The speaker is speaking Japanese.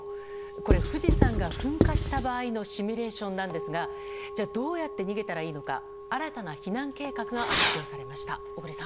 これ、富士山が噴火した場合のシミュレーションなんですがじゃあ、どうやって逃げたらいいのか新たな避難計画が発表されました。